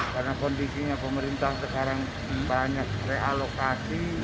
karena kondisinya pemerintah sekarang banyak realokasi